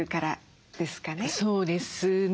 そうですね。